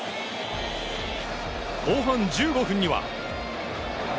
後半１５分には。